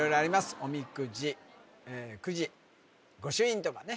おみくじくじ御朱印とかね